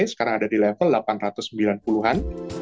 sekarang ada di level delapan ratus sembilan puluh an